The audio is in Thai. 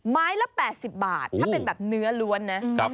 ไม้ละ๘๐บาทถ้าเป็นแบบเนื้อล้วนนะ